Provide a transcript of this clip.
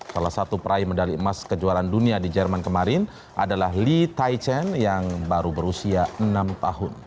salah satu peraih medali emas kejuaraan dunia di jerman kemarin adalah lee tai chen yang baru berusia enam tahun